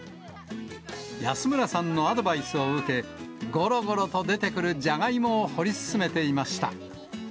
安村さんのアドバイスを受け、ごろごろと出てくるジャガイモを掘り進めていました。